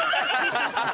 ハハハハ！